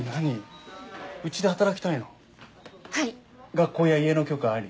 学校や家の許可あり？